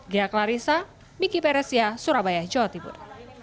ghea klarissa miki peresia surabaya jawa timur